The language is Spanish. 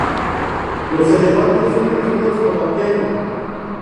Los elefantes son mencionados por Apiano.